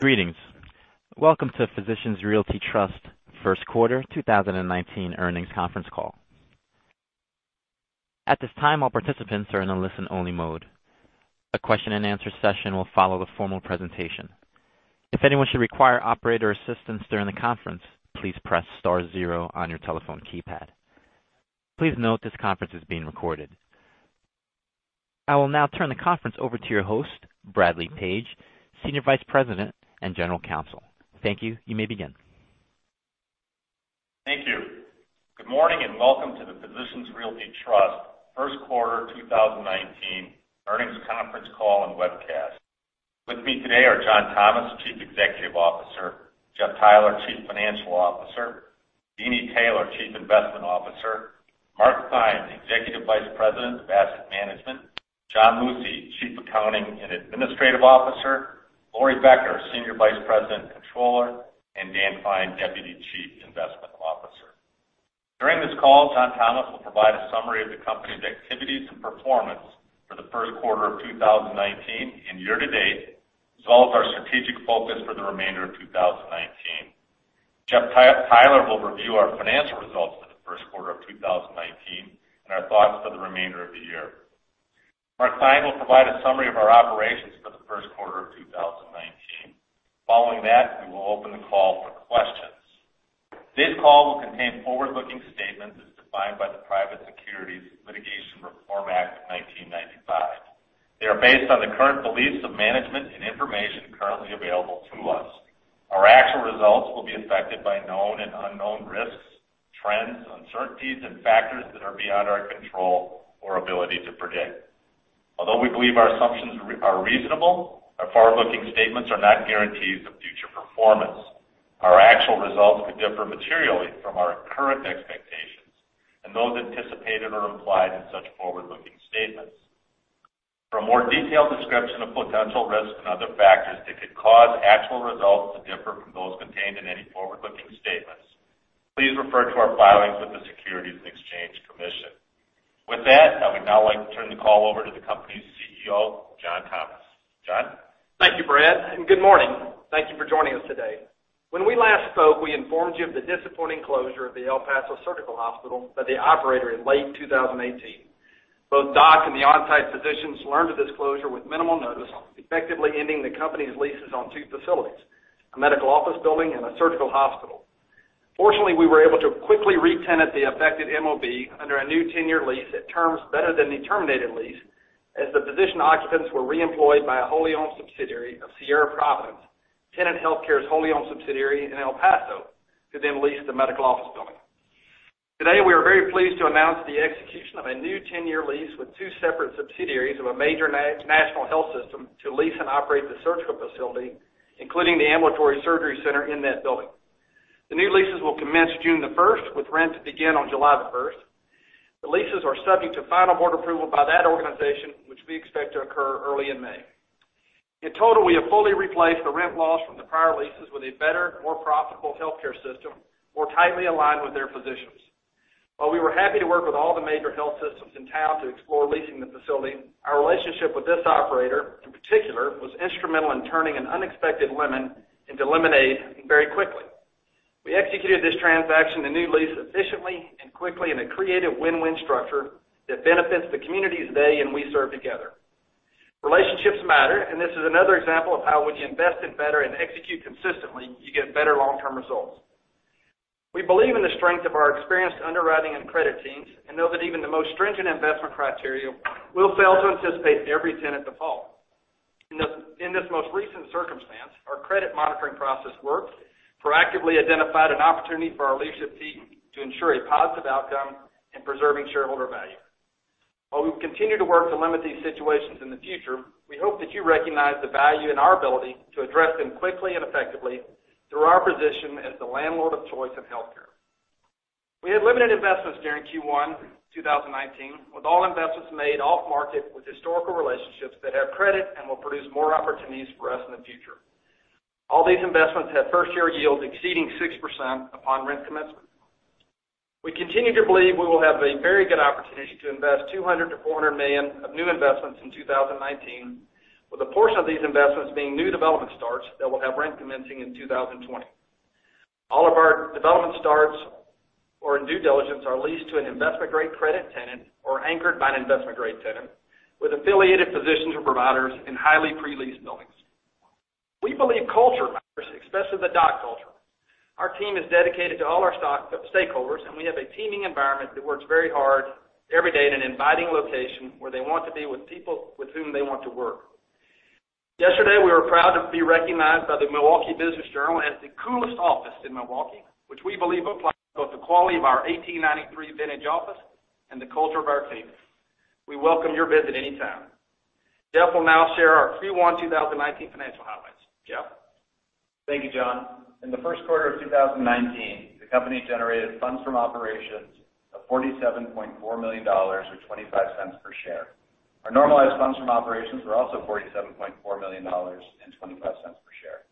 Greetings. Welcome to Physicians Realty Trust first quarter 2019 earnings conference call. At this time, all participants are in a listen-only mode. A question and answer session will follow the formal presentation. If anyone should require operator assistance during the conference, please press star zero on your telephone keypad. Please note this conference is being recorded. I will now turn the conference over to your host, Bradley Page, Senior Vice President and General Counsel. Thank you. You may begin. Thank you. Good morning and welcome to the Physicians Realty Trust first quarter 2019 earnings conference call and webcast. With me today are John Thomas, Chief Executive Officer, Jeff Theiler, Chief Financial Officer, Deeni Taylor, Chief Investment Officer, Mark Theine, Executive Vice President of Asset Management, John Lucey, Chief Accounting and Administrative Officer, Laurie Becker, Senior Vice President and Controller, and Dan Klein, Deputy Chief Investment Officer. During this call, John Thomas will provide a summary of the company's activities and performance for the first quarter of 2019 and year-to-date, as well as our strategic focus for the remainder of 2019. Jeff Theiler will review our financial results for the first quarter of 2019 and our thoughts for the remainder of the year. Mark Theine will provide a summary of our operations for the first quarter of 2019. Following that, we will open the call for questions. This call will contain forward-looking statements as defined by the Private Securities Litigation Reform Act of 1995. They are based on the current beliefs of management and information currently available to us. Our actual results will be affected by known and unknown risks, trends, uncertainties, and factors that are beyond our control or ability to predict. Although we believe our assumptions are reasonable, our forward-looking statements are not guarantees of future performance. Our actual results could differ materially from our current expectations and those anticipated or implied in such forward-looking statements. For a more detailed description of potential risks and other factors that could cause actual results to differ from those contained in any forward-looking statements, please refer to our filings with the Securities and Exchange Commission. With that, I would now like to turn the call over to the company's CEO, John Thomas. John? Thank you, Brad. Good morning. Thank you for joining us today. When we last spoke, we informed you of the disappointing closure of the El Paso Surgical Hospital by the operator in late 2018. Both DOC and the on-site physicians learned of this closure with minimal notice, effectively ending the company's leases on two facilities, a medical office building and a surgical hospital. Fortunately, we were able to quickly re-tenant the affected MOB under a new 10-year lease at terms better than the terminated lease, as the physician occupants were reemployed by a wholly owned subsidiary of Sierra Providence, Tenet Healthcare's wholly owned subsidiary in El Paso, to then lease the medical office building. Today, we are very pleased to announce the execution of a new 10-year lease with two separate subsidiaries of a major national health system to lease and operate the surgical facility, including the ambulatory surgery center in that building. The new leases will commence June the 1st, with rent to begin on July the 1st. The leases are subject to final board approval by that organization, which we expect to occur early in May. In total, we have fully replaced the rent loss from the prior leases with a better, more profitable healthcare system, more tightly aligned with their physicians. While we were happy to work with all the major health systems in town to explore leasing the facility, our relationship with this operator, in particular, was instrumental in turning an unexpected lemon into lemonade very quickly. We executed this transaction, the new lease, efficiently and quickly in a creative win-win structure that benefits the communities they and we serve together. Relationships matter. This is another example of how when you invest in better and execute consistently, you get better long-term results. We believe in the strength of our experienced underwriting and credit teams and know that even the most stringent investment criteria will fail to anticipate every tenant default. In this most recent circumstance, our credit monitoring process worked, proactively identified an opportunity for our leadership team to ensure a positive outcome in preserving shareholder value. While we continue to work to limit these situations in the future, we hope that you recognize the value in our ability to address them quickly and effectively through our position as the landlord of choice in healthcare. We had limited investments during Q1 2019, with all investments made off-market with historical relationships that have credit and will produce more opportunities for us in the future. All these investments had first-year yields exceeding 6% upon rent commencement. We continue to believe we will have a very good opportunity to invest $200 million-$400 million of new investments in 2019, with a portion of these investments being new development starts that will have rent commencing in 2020. All of our development starts or in due diligence are leased to an investment-grade credit tenant or anchored by an investment-grade tenant with affiliated physicians or providers in highly pre-leased buildings. We believe culture matters, especially the DOC culture. Our team is dedicated to all our stakeholders. We have a teeming environment that works very hard every day in an inviting location where they want to be with people with whom they want to work. Yesterday, we were proud to be recognized by the Milwaukee Business Journal as the coolest office in Milwaukee, which we believe applies to both the quality of our 1893 vintage office and the culture of our team. We welcome your visit anytime. Jeff will now share our Q1 2019 financial highlights. Jeff? Thank you, John. In the first quarter of 2019, the company generated funds from operations of $47.4 million, or $0.25 per share. Our normalized funds from operations were also $47.4 million and $0.25 per share.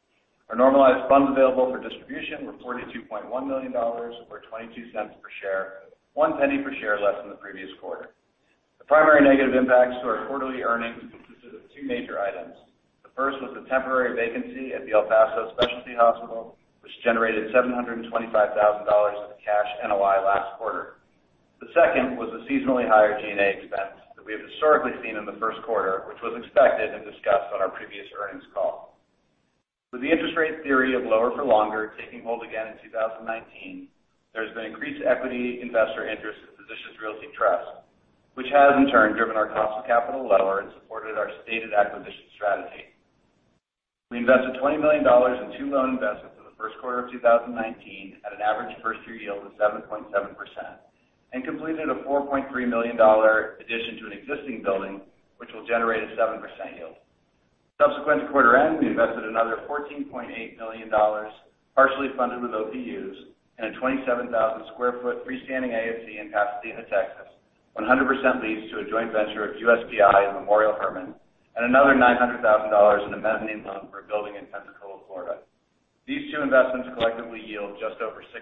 Our normalized funds available for distribution were $42.1 million, or $0.22 per share, $0.01 per share less than the previous quarter. The primary negative impacts to our quarterly earnings consisted of two major items. The first was the temporary vacancy at the El Paso Specialty Hospital, which generated $725,000 of cash NOI last quarter. The second was the seasonally higher G&A expense that we have historically seen in the first quarter, which was expected and discussed on our previous earnings call. With the interest rate theory of lower for longer taking hold again in 2019, there has been increased equity investor interest in Physicians Realty Trust, which has in turn driven our cost of capital lower and supported our stated acquisition strategy. We invested $20 million in two loan investments in the first quarter of 2019 at an average first-year yield of 7.7% and completed a $4.3 million addition to an existing building, which will generate a 7% yield. Subsequent to quarter end, we invested another $14.8 million, partially funded with OPUs in a 27,000 sq ft freestanding ASC in Pasadena, Texas, 100% leased to a joint venture of USPI and Memorial Hermann, and another $900,000 in a mezzanine loan for a building in Pensacola, Florida. These two investments collectively yield just over 6%.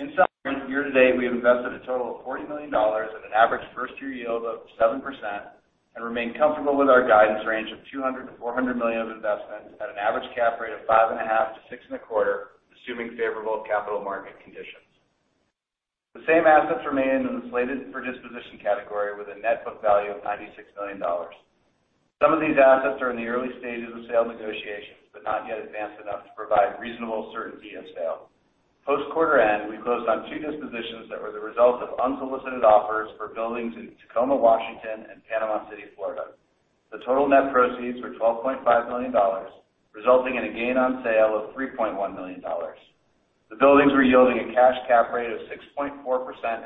In summary, year-to-date, we have invested a total of $40 million at an average first-year yield of 7% and remain comfortable with our guidance range of $200 million-$400 million of investments at an average cap rate of 5.5%-6.25%, assuming favorable capital market conditions. The same assets remain in the slated for disposition category with a net book value of $96 million. Some of these assets are in the early stages of sale negotiations, not yet advanced enough to provide reasonable certainty of sale. Post-quarter end, we closed on two dispositions that were the result of unsolicited offers for buildings in Tacoma, Washington and Panama City, Florida. The total net proceeds were $12.5 million, resulting in a gain on sale of $3.1 million. The buildings were yielding a cash cap rate of 6.4%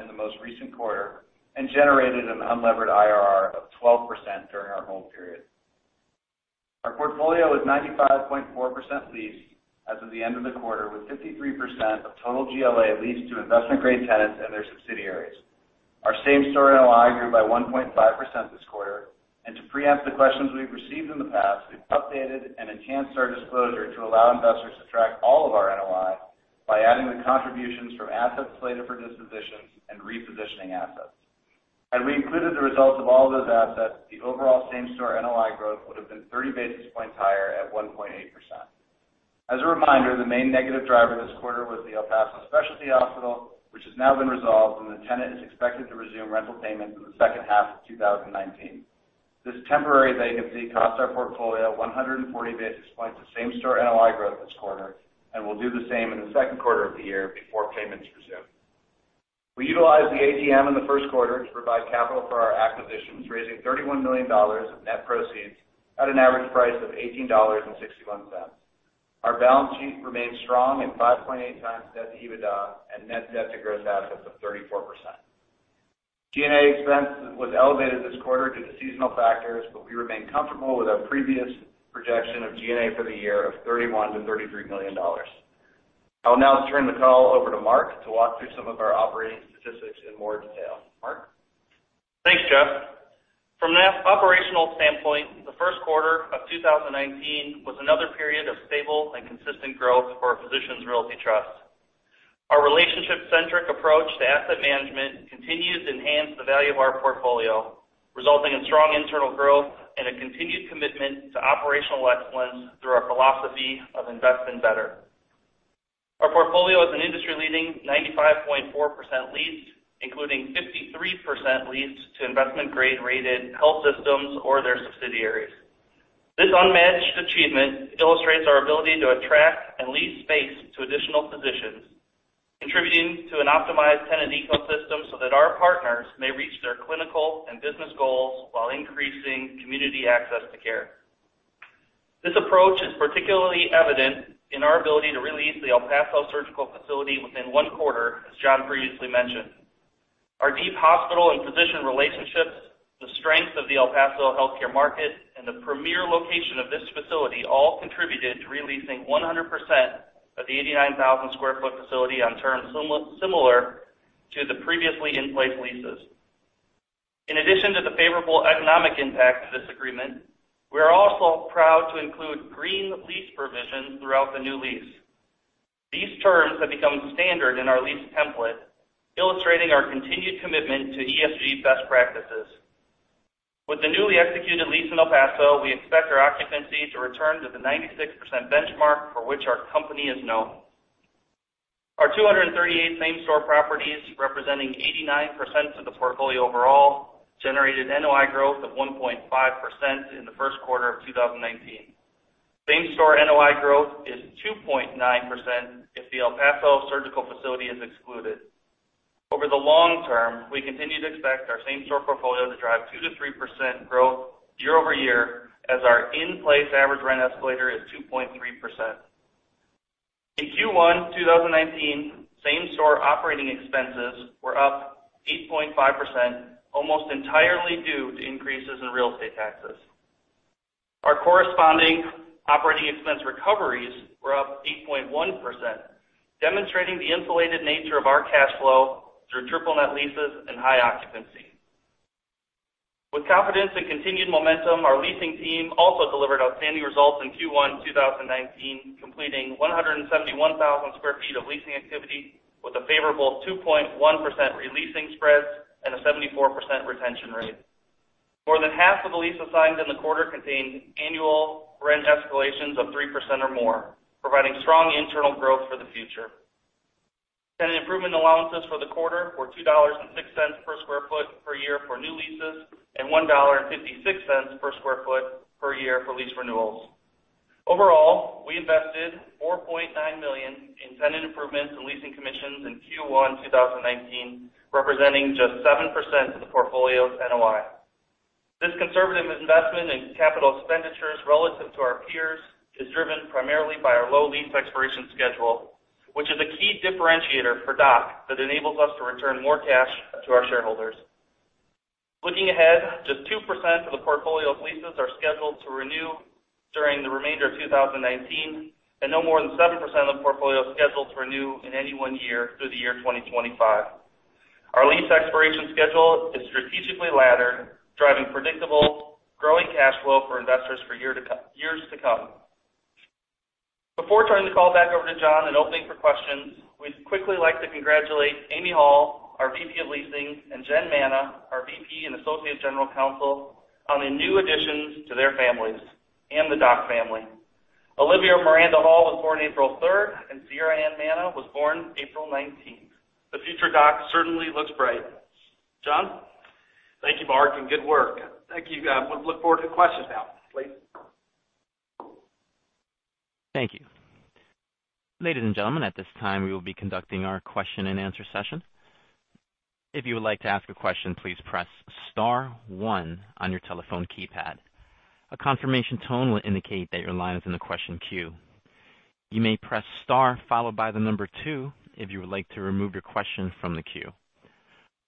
in the most recent quarter and generated an unlevered IRR of 12% during our hold period. Our portfolio was 95.4% leased as of the end of the quarter, with 53% of total GLA leased to investment-grade tenants and their subsidiaries. Our same-store NOI grew by 1.5% this quarter. To preempt the questions we've received in the past, we've updated and enhanced our disclosure to allow investors to track all of our NOI by adding the contributions from assets slated for dispositions and repositioning assets. Had we included the results of all those assets, the overall same-store NOI growth would have been 30 basis points higher at 1.8%. As a reminder, the main negative driver this quarter was the El Paso Specialty Hospital, which has now been resolved, and the tenant is expected to resume rental payments in the second half of 2019. This temporary vacancy cost our portfolio 140 basis points of same-store NOI growth this quarter and will do the same in the second quarter of the year before payments resume. We utilized the ATM in the first quarter to provide capital for our acquisitions, raising $31 million of net proceeds at an average price of $18.61. Our balance sheet remains strong at 5.8 times debt to EBITDA and net debt to gross assets of 34%. G&A expense was elevated this quarter due to seasonal factors. We remain comfortable with our previous projection of G&A for the year of $31 million-$33 million. I will now turn the call over to Mark to walk through some of our operating statistics in more detail. Mark? Thanks, Jeff. From an operational standpoint, the first quarter of 2019 was another period of stable and consistent growth for Physicians Realty Trust. Our relationship-centric approach to asset management continues to enhance the value of our portfolio, resulting in strong internal growth and a continued commitment to operational excellence through our philosophy of investing better. Our portfolio is an industry-leading 95.4% leased, including 53% leased to investment-grade-rated health systems or their subsidiaries. This unmatched achievement illustrates our ability to attract and lease space to additional physicians, contributing to an optimized tenant ecosystem so that our partners may reach their clinical and business goals while increasing community access to care. This approach is particularly evident in our ability to re-lease the El Paso surgical facility within one quarter, as John previously mentioned. Our deep hospital and physician relationships, the strength of the El Paso healthcare market, and the premier location of this facility all contributed to re-leasing 100% of the 89,000 square foot facility on terms similar to the previously in-place leases. In addition to the favorable economic impact of this agreement, we are also proud to include green lease provisions throughout the new lease. These terms have become standard in our lease template, illustrating our continued commitment to ESG best practices. With the newly executed lease in El Paso, we expect our occupancy to return to the 96% benchmark for which our company is known. Our 238 same-store properties, representing 89% of the portfolio overall, generated NOI growth of 1.5% in the first quarter of 2019. Same-store NOI growth is 2.9% if the El Paso surgical facility is excluded. Over the long term, we continue to expect our same-store portfolio to drive 2%-3% growth year-over-year as our in-place average rent escalator is 2.3%. In Q1 2019, same-store operating expenses were up 8.5%, almost entirely due to increases in real estate taxes. Our corresponding operating expense recoveries were up 8.1%, demonstrating the insulated nature of our cash flow through triple net leases and high occupancy. With confidence and continued momentum, our leasing team also delivered outstanding results in Q1 2019, completing 171,000 square feet of leasing activity with a favorable 2.1% re-leasing spread and a 74% retention rate. More than half of the leases signed in the quarter contained annual rent escalations of 3% or more, providing strong internal growth for the future. Tenant improvement allowances for the quarter were $2.06 per square foot per year for new leases and $1.56 per square foot per year for lease renewals. Overall, we invested $4.9 million in tenant improvements and leasing commissions in Q1 2019, representing just 7% of the portfolio's NOI. This conservative investment in capital expenditures relative to our peers is driven primarily by our low lease expiration schedule, which is a key differentiator for DOC that enables us to return more cash to our shareholders. Looking ahead, just 2% of the portfolio's leases are scheduled to renew during the remainder of 2019, and no more than 7% of the portfolio is scheduled to renew in any one year through the year 2025. Our lease expiration schedule is strategically laddered, driving predictable growing cash flow for investors for years to come. Before turning the call back over to John and opening for questions, we'd quickly like to congratulate Amy Hall, our VP of Leasing, and Jen Manna, our VP and Associate General Counsel, on the new additions to their families and the DOC family. Olivia Miranda Hall was born April 3rd, and Sierra Anne Manna was born April 19th. The future of DOC certainly looks bright. John? Thank you, Mark, good work. Thank you. We look forward to questions now, please. Thank you. Ladies and gentlemen, at this time, we will be conducting our question and answer session. If you would like to ask a question, please press star one on your telephone keypad. A confirmation tone will indicate that your line is in the question queue. You may press star followed by the number two if you would like to remove your question from the queue.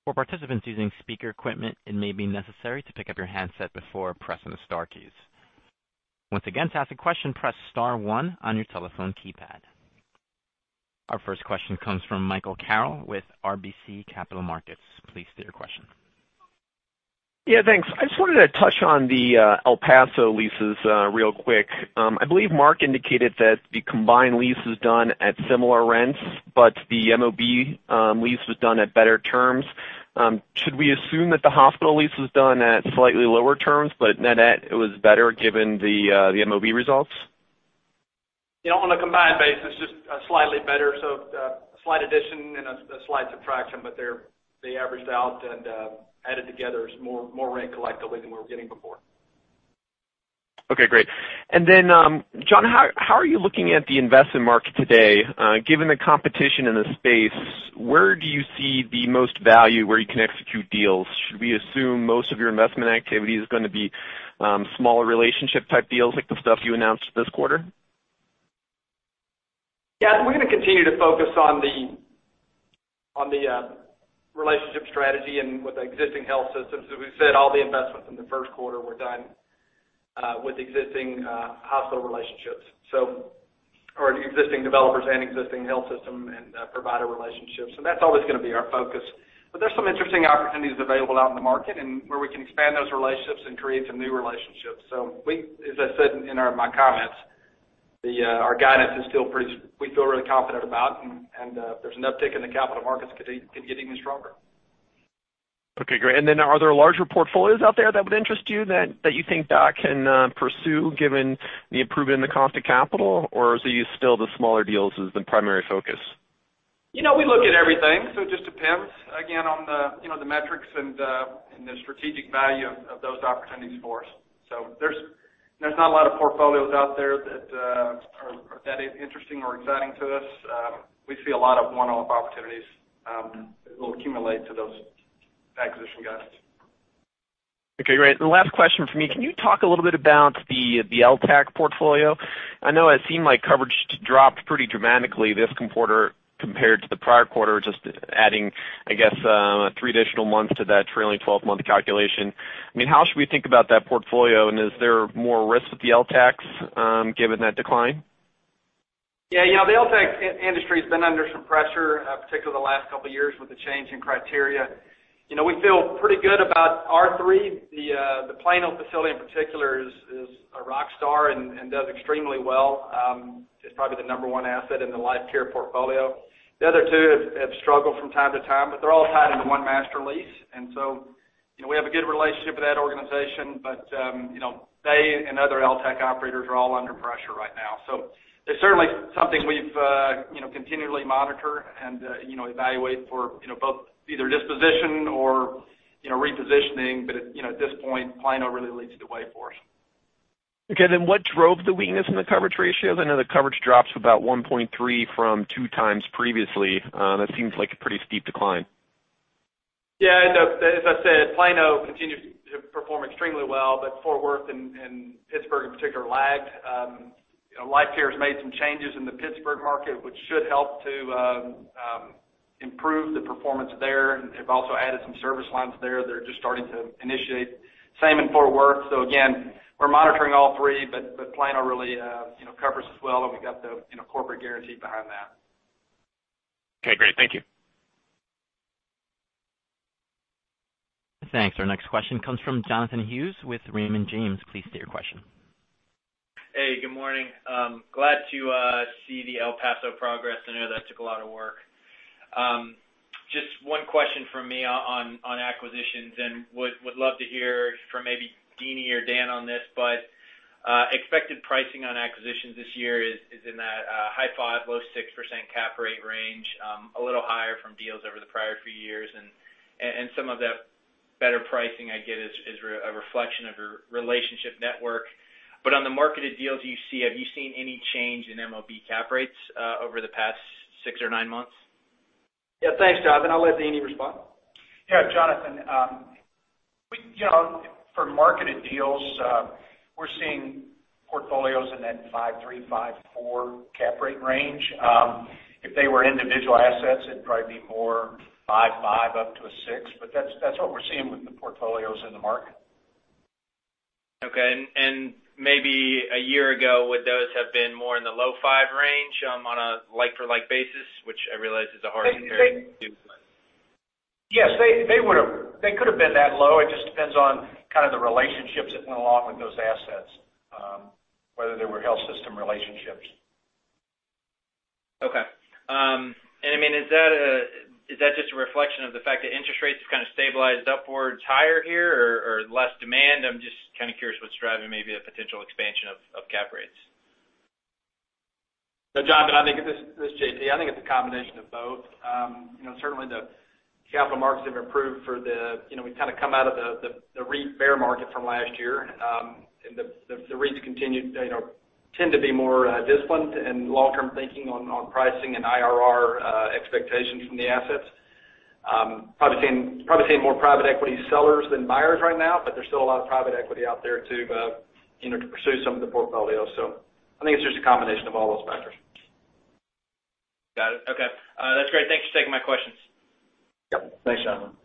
For participants using speaker equipment, it may be necessary to pick up your handset before pressing the star keys. Once again, to ask a question, press star one on your telephone keypad. Our first question comes from Michael Carroll with RBC Capital Markets. Please state your question. Yeah, thanks. I just wanted to touch on the El Paso leases real quick. I believe Mark indicated that the combined lease was done at similar rents, the MOB lease was done at better terms. Should we assume that the hospital lease was done at slightly lower terms, net it was better given the MOB results? On a combined basis, just slightly better. A slight addition and a slight subtraction, they averaged out and added together is more rent collectively than we were getting before. Okay, great. John, how are you looking at the investment market today? Given the competition in the space, where do you see the most value where you can execute deals? Should we assume most of your investment activity is going to be smaller relationship-type deals like the stuff you announced this quarter? Yeah, we're going to continue to focus on the relationship strategy with the existing health systems. As we've said, all the investments in the first quarter were done with existing hospital relationships. Our existing developers and existing health system and provider relationships. That's always going to be our focus. There's some interesting opportunities available out in the market where we can expand those relationships and create some new relationships. As I said in my comments, our guidance, we feel really confident about, and if there's an uptick in the capital markets, could get even stronger. Okay, great. Are there larger portfolios out there that would interest you that you think DOC can pursue given the improvement in the cost of capital? Or are you still the smaller deals as the primary focus? We look at everything. It just depends, again, on the metrics and the strategic value of those opportunities for us. There's not a lot of portfolios out there that are that interesting or exciting to us. We see a lot of one-off opportunities that will accumulate to those acquisition guides. Okay, great. The last question from me. Can you talk a little bit about the LTAC portfolio? I know it seemed like coverage dropped pretty dramatically this quarter compared to the prior quarter, just adding, I guess, three additional months to that trailing 12-month calculation. How should we think about that portfolio? Is there more risk with the LTACs given that decline? Yeah. The LTAC industry has been under some pressure, particularly the last couple of years with the change in criteria. We feel pretty good about our three. The Plano facility in particular is a rock star and does extremely well. It's probably the number one asset in the Life Care portfolio. The other two have struggled from time to time, but they're all tied into one master lease. We have a good relationship with that organization. They and other LTAC operators are all under pressure right now. It's certainly something we've continually monitored and evaluate for both either disposition or repositioning. At this point, Plano really leads the way for us. Okay, what drove the weakness in the coverage ratios? I know the coverage drops about 1.3 from two times previously. That seems like a pretty steep decline. Yeah, as I said, Plano continues to perform extremely well. Fort Worth and Pittsburgh in particular lagged. Life Care has made some changes in the Pittsburgh market, which should help to improve the performance there. They've also added some service lines there that are just starting to initiate. Same in Fort Worth. Again, we're monitoring all three. Plano really covers us well, and we've got the corporate guarantee behind that. Okay, great. Thank you. Thanks. Our next question comes from Jonathan Hughes with Raymond James. Please state your question. Hey, good morning. Glad to see the El Paso progress. I know that took a lot of work. Just one question from me on acquisitions. Would love to hear from maybe Deeni or Dan on this, but expected pricing on acquisitions this year is in that high 5%, low 6% cap rate range, a little higher from deals over the prior few years, and some of the better pricing I get is a reflection of your relationship network. On the marketed deals you see, have you seen any change in MOB cap rates over the past six or nine months? Yeah. Thanks, Jonathan. I'll let Deeni respond. Yeah, Jonathan. For marketed deals, we're seeing portfolios in that 5.3, 5.4 cap rate range. If they were individual assets, it'd probably be more 5.5 up to a six, but that's what we're seeing with the portfolios in the market. Okay. Maybe a year ago, would those have been more in the low five range on a like-for-like basis, which I realize is a hard comparison to do? Yes, they could've been that low. It just depends on kind of the relationships that went along with those assets, whether they were health system relationships. Okay. Is that just a reflection of the fact that interest rates have kind of stabilized upwards higher here, or less demand? I'm just kind of curious what's driving maybe the potential expansion of cap rates. Jonathan, this is JT. I think it's a combination of both. Certainly the capital markets have improved. We've kind of come out of the REIT bear market from last year, the REITs tend to be more disciplined and long-term thinking on pricing and IRR expectations from the assets. Probably seeing more private equity sellers than buyers right now, but there's still a lot of private equity out there to pursue some of the portfolios. I think it's just a combination of all those factors. Got it. Okay. That's great. Thanks for taking my questions. Yep. Thanks, Jonathan.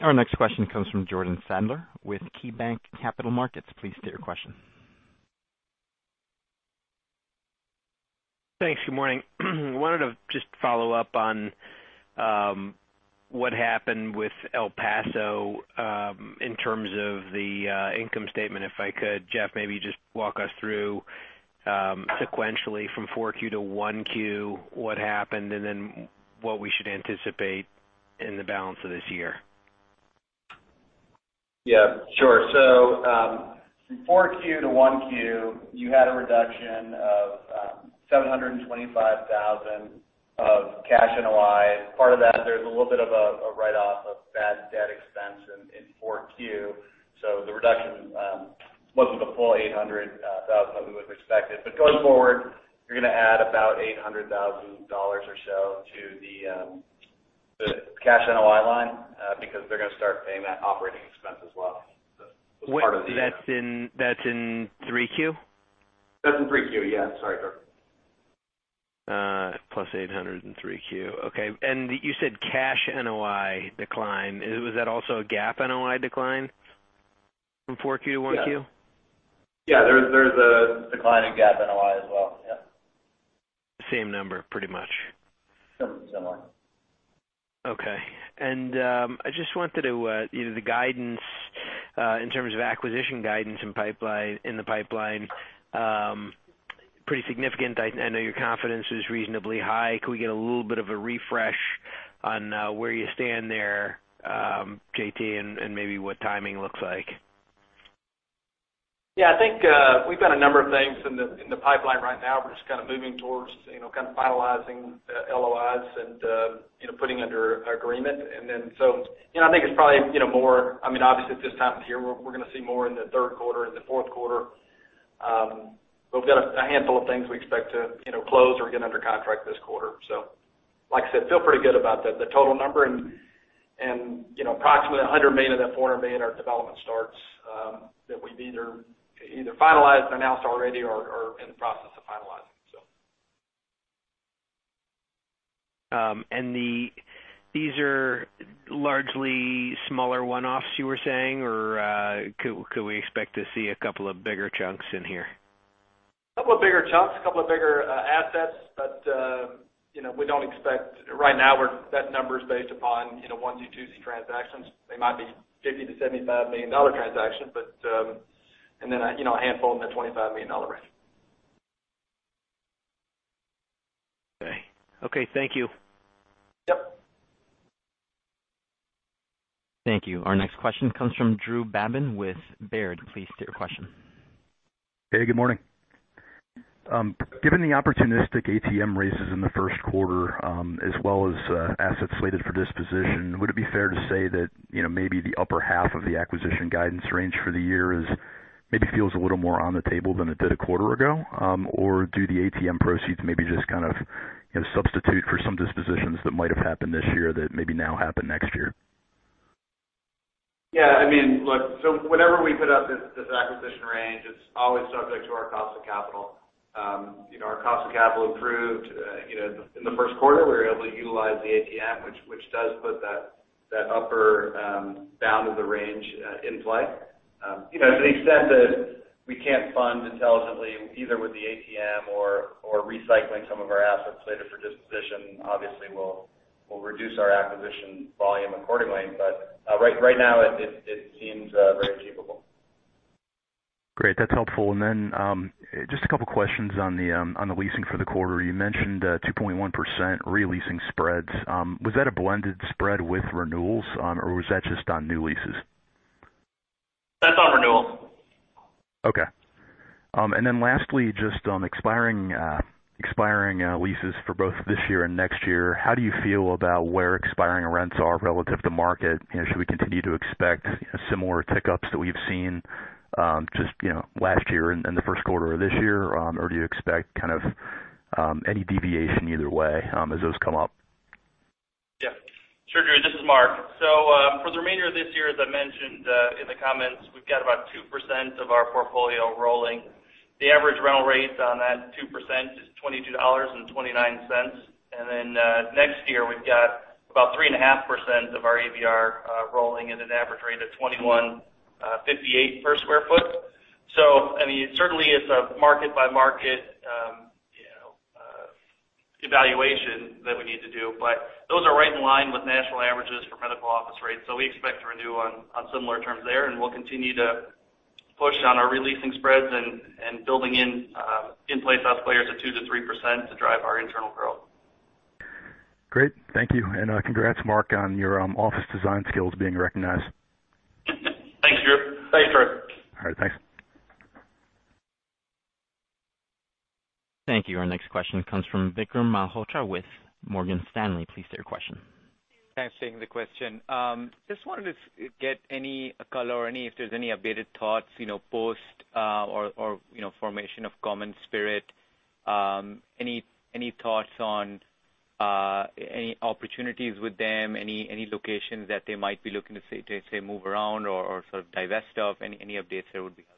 Our next question comes from Jordan Sadler with KeyBanc Capital Markets. Please state your question. Thanks. Good morning. I wanted to just follow up on what happened with El Paso, in terms of the income statement, if I could. Jeff, maybe just walk us through sequentially from 4Q to 1Q, what happened, and then what we should anticipate in the balance of this year. Yeah, sure. From 4Q to 1Q, you had a reduction of $725,000 of cash NOI. Part of that, there's a little bit of a write-off of bad debt expense in 4Q. The reduction wasn't the full $800,000 that we would've expected. Going forward, you're gonna add about $800,000 or so to the cash NOI line, because they're gonna start paying that operating expense as well. That's in 3Q? That's in 3Q. Yeah. Sorry. Plus $800 in 3Q. Okay. You said cash NOI decline. Was that also a GAAP NOI decline from 4Q to 1Q? Yeah. There's a decline in GAAP NOI as well. Yeah. Same number, pretty much. Similar. Okay. I just wanted to The guidance in terms of acquisition guidance in the pipeline, pretty significant. I know your confidence is reasonably high. Could we get a little bit of a refresh on where you stand there, JT, and maybe what timing looks like? Yeah, I think we've got a number of things in the pipeline right now. We're just kind of moving towards finalizing LOIs and putting under agreement. I think it's probably more Obviously at this time of the year, we're gonna see more in the third quarter and the fourth quarter. We've got a handful of things we expect to close or get under contract this quarter. Like I said, feel pretty good about the total number, and approximately $100 million of that $400 million are development starts that we've either finalized and announced already or are in the process of finalizing. These are largely smaller one-offs you were saying, or could we expect to see a couple of bigger chunks in here? A couple of bigger chunks, a couple of bigger assets, we don't expect Right now, that number's based upon 122C transactions. They might be $50 million-$75 million transactions, then a handful in the $25 million range. Okay. Thank you. Yep. Thank you. Our next question comes from Drew Babin with Baird. Please state your question. Hey, good morning. Given the opportunistic ATM raises in the first quarter, as well as assets slated for disposition, would it be fair to say that maybe the upper half of the acquisition guidance range for the year maybe feels a little more on the table than it did a quarter ago? Or do the ATM proceeds maybe just kind of substitute for some dispositions that might've happened this year that maybe now happen next year? Yeah. Whenever we put up this acquisition range, it's always subject to our cost of capital. Our cost of capital improved. In the first quarter, we were able to utilize the ATM, which does put that That upper bound of the range in play. To the extent that we can't fund intelligently, either with the ATM or recycling some of our assets slated for disposition, obviously we'll reduce our acquisition volume accordingly. Right now it seems very achievable. Great. That's helpful. Then, just a couple questions on the leasing for the quarter. You mentioned 2.1% re-leasing spreads. Was that a blended spread with renewals, or was that just on new leases? That's on renewals. Lastly, just on expiring leases for both this year and next year, how do you feel about where expiring rents are relative to market? Should we continue to expect similar tick-ups that we've seen just last year and the first quarter of this year? Do you expect any deviation either way as those come up? Yeah. Sure, Drew. This is Mark. For the remainder of this year, as I mentioned in the comments, we've got about 2% of our portfolio rolling. The average rental rates on that 2% is $22.29. Next year, we've got about 3.5% of our ABR rolling at an average rate of $21.58 per square foot. It certainly is a market-by-market evaluation that we need to do. Those are right in line with national averages for medical office rates. We expect to renew on similar terms there, and we'll continue to push on our re-leasing spreads and building in-place escalators of 2%-3% to drive our internal growth. Great. Thank you. Congrats, Mark, on your office design skills being recognized. Thanks, Drew. Thanks, Drew. All right. Thanks. Thank you. Our next question comes from Vikram Malhotra with Morgan Stanley. Please state your question. Thanks for taking the question. Just wanted to get any color, or if there's any updated thoughts, post or formation of CommonSpirit. Any thoughts on any opportunities with them, any locations that they might be looking to, say, move around or sort of divest of? Any updates there would be helpful.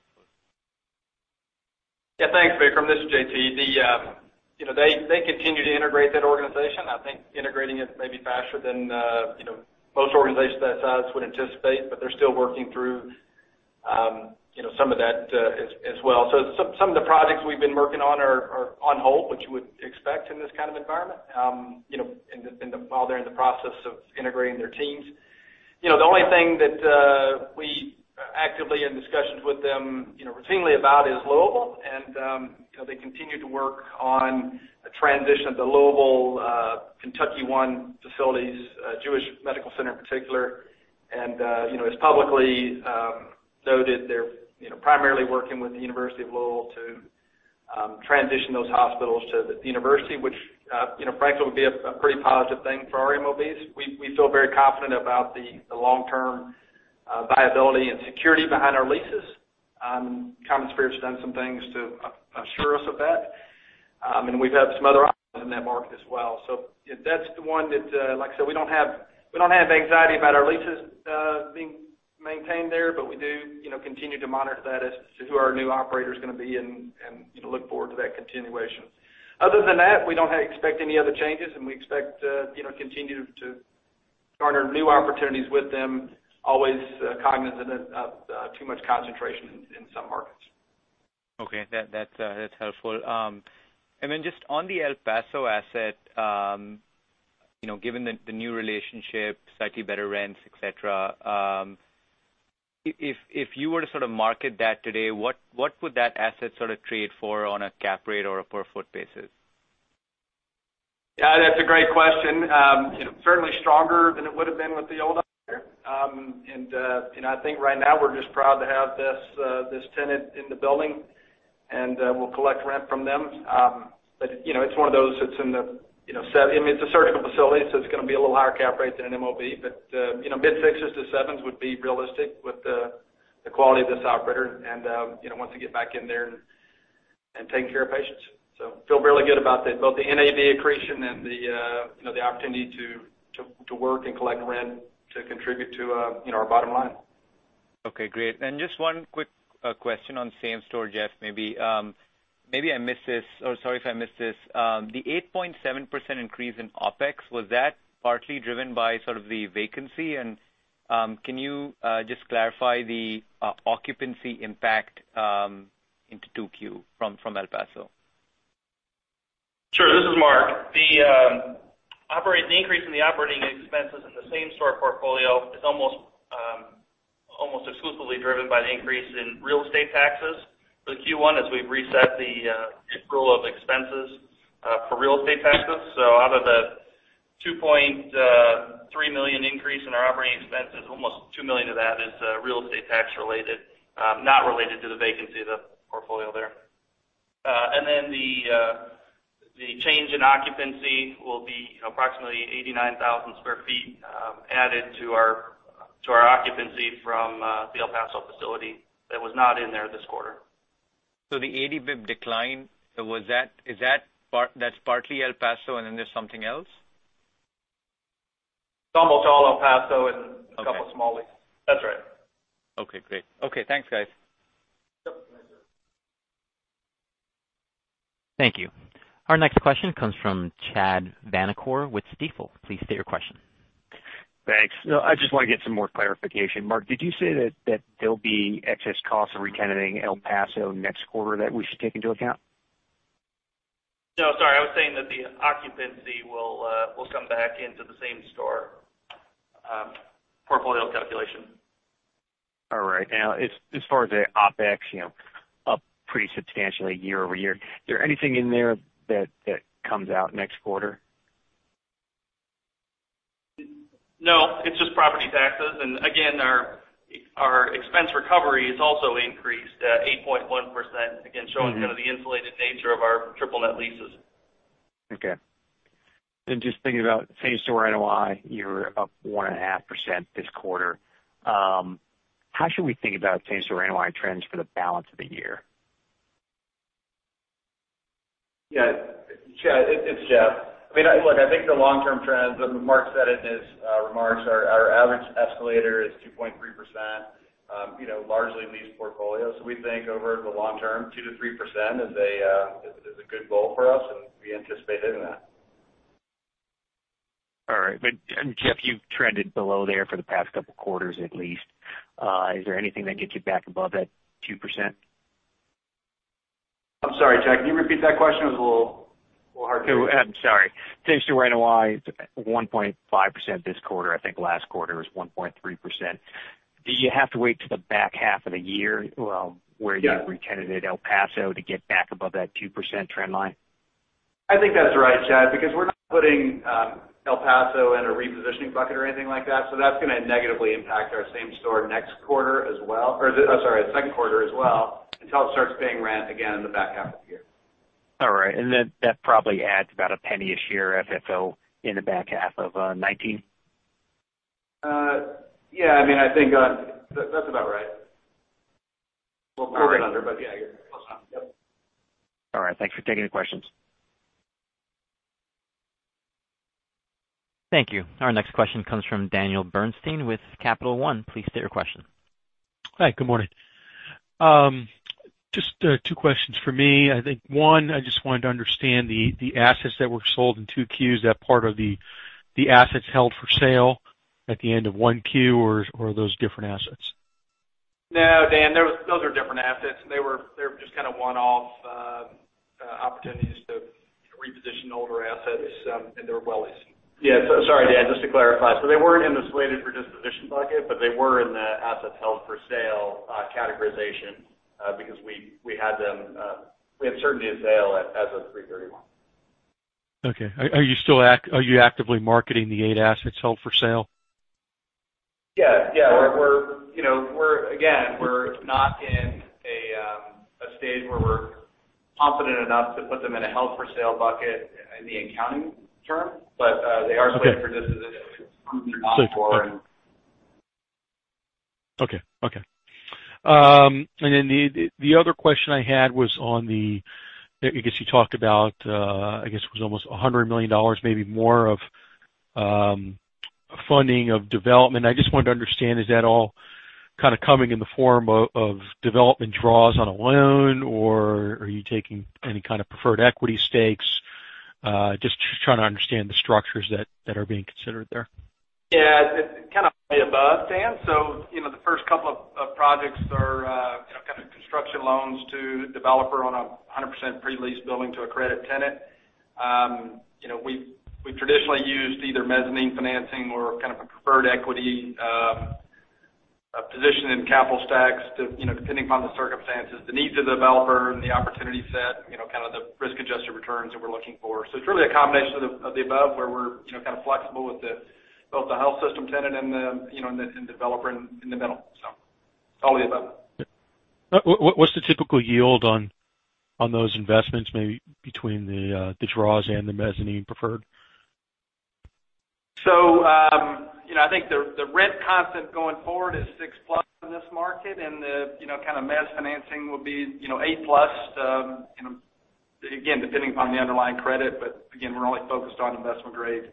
Yeah. Thanks, Vikram. This is JT. They continue to integrate that organization. I think integrating it may be faster than most organizations that size would anticipate, but they're still working through some of that as well. Some of the projects we've been working on are on hold, which you would expect in this kind of environment, while they're in the process of integrating their teams. The only thing that we actively in discussions with them routinely about is Louisville. They continue to work on a transition of the Louisville, KentuckyOne facilities, Jewish Medical Center in particular. As publicly noted, they're primarily working with the University of Louisville to transition those hospitals to the university, which frankly would be a pretty positive thing for our MOBs. We feel very confident about the long-term viability and security behind our leases. CommonSpirit's done some things to assure us of that. We've had some other options in that market as well. That's the one that, like I said, we don't have anxiety about our leases being maintained there, but we do continue to monitor that as to who our new operator's going to be and look forward to that continuation. Other than that, we don't expect any other changes, and we expect to continue to charter new opportunities with them, always cognizant of too much concentration in some markets. Okay. That's helpful. Just on the El Paso asset, given the new relationship, slightly better rents, et cetera, if you were to sort of market that today, what would that asset sort of trade for on a cap rate or a per foot basis? That's a great question. Certainly stronger than it would've been with the old operator. I think right now we're just proud to have this tenant in the building, and we'll collect rent from them. It's one of those that's in the It's a surgical facility, so it's going to be a little higher cap rate than an MOB. Mid-6s to 7s would be realistic with the quality of this operator and once they get back in there and taking care of patients. Feel really good about both the NAV accretion and the opportunity to work and collect rent to contribute to our bottom line. Okay, great. Just one quick question on same store, Jeff. Maybe I missed this, or sorry if I missed this. The 8.7% increase in OpEx, was that partly driven by sort of the vacancy? Can you just clarify the occupancy impact into 2Q from El Paso? Sure. This is Mark. The increase in the operating expenses in the same store portfolio is almost exclusively driven by the increase in real estate taxes for Q1 as we've reset the pool of expenses for real estate taxes. Out of the $2.3 million increase in our operating expenses, almost $2 million of that is real estate tax-related, not related to the vacancy of the portfolio there. The change in occupancy will be approximately 89,000 sq ft added to our occupancy from the El Paso facility that was not in there this quarter. The 80 basis points decline, that's partly El Paso and then there's something else? It's almost all El Paso and. Okay a couple small leases. That's right. Okay, great. Okay, thanks, guys. Thank you. Our next question comes from Chad Vanacore with Stifel. Please state your question. Thanks. I just want to get some more clarification. Mark, did you say that there'll be excess costs of re-tenanting El Paso next quarter that we should take into account? No, sorry. I was saying that the occupancy will come back into the same store portfolio calculation. All right. As far as the OpEx, up pretty substantially year-over-year. Is there anything in there that comes out next quarter? No. It's just property taxes. Again, our expense recovery is also increased at 8.1%, again, showing the insulated nature of our triple net leases. Okay. Just thinking about same-store NOI, you are up one and a half % this quarter. How should we think about same-store NOI trends for the balance of the year? Yeah. Chad, it is Jeff. Look, I think the long-term trends, Mark said in his remarks, our average escalator is two point three %, largely leased portfolio. We think over the long term, two to three % is a good goal for us, and we anticipate hitting that. All right. Jeff, you have trended below there for the past couple quarters at least. Is there anything that gets you back above that two %? I am sorry, Chad, can you repeat that question? It was a little hard to hear. I'm sorry. Same-store NOI is 1.5% this quarter. I think last quarter was 1.3%. Do you have to wait till the back half of the year where you've re-tenanted El Paso to get back above that 2% trend line? I think that's right, Chad, because we're not putting El Paso in a repositioning bucket or anything like that. That's going to negatively impact our same store next quarter as well, or sorry, second quarter as well, until it starts paying rent again in the back half of the year. All right. That probably adds about a penny a share FFO in the back half of 2019. Yeah. I think that's about right. Little more than under, but yeah. All right. Thanks for taking the questions. Thank you. Our next question comes from Daniel Bernstein with Capital One. Please state your question. Hi, good morning. Just two questions from me. I think one, I just wanted to understand the assets that were sold in 2Q, is that part of the assets held for sale at the end of 1Q, or are those different assets? No, Dan, those are different assets, and they were just kind of one-off opportunities to reposition older assets, and they're well leased. Yeah. Sorry, Dan, just to clarify, they weren't in the slated for disposition bucket, but they were in the assets held for sale categorization, because we had certainty of sale as of 3/31. Okay. Are you actively marketing the eight assets held for sale? Yeah. Again, we're not in a stage where we're confident enough to put them in a held for sale bucket in the accounting term, but they are slated for disposition ongoing. Okay. The other question I had was on the, I guess you talked about, I guess it was almost $100 million, maybe more of funding of development. I just wanted to understand, is that all kind of coming in the form of development draws on a loan, or are you taking any kind of preferred equity stakes? Just trying to understand the structures that are being considered there. Yeah, it's kind of the above, Dan. The first couple of projects are kind of construction loans to developer on a 100% pre-leased building to a credit tenant. We've traditionally used either mezzanine financing or kind of a preferred equity position in capital stacks depending upon the circumstances, the needs of the developer and the opportunity set, kind of the risk-adjusted returns that we're looking for. It's really a combination of the above where we're kind of flexible with both the health system tenant and the developer in the middle. It's all of the above. What's the typical yield on those investments, maybe between the draws and the mezzanine preferred? I think the rent concept going forward is six plus in this market and the kind of mezz financing will be eight plus, again, depending upon the underlying credit. Again, we're only focused on investment grade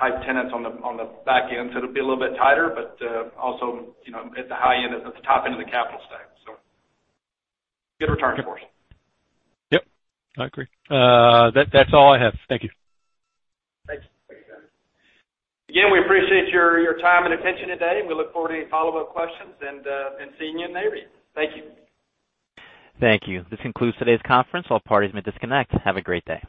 type tenants on the back end, so it'll be a little bit tighter, but also at the high end, at the top end of the capital stack. Good returns for us. Yep. I agree. That's all I have. Thank you. Thanks. Thanks, Dan. Again, we appreciate your time and attention today. We look forward to any follow-up questions and seeing you in the area. Thank you. Thank you. This concludes today's conference. All parties may disconnect. Have a great day.